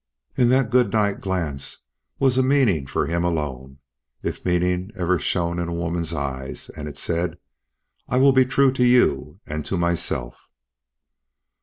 In that good night glance was a meaning for him alone, if meaning ever shone in woman's eyes, and it said: "I will be true to you and to myself!"